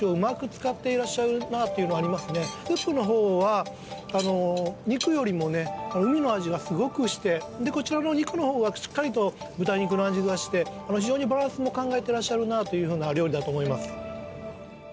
それは中に肉よりもねでこちらのお肉のほうはしっかりと豚肉の味がして非常にバランスも考えてらっしゃるなというふうなお料理だと思います